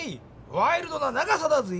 ワイルドな長さだぜぇ！